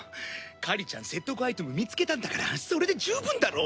カリちゃん説得アイテム見つけたんだからそれで十分だろ？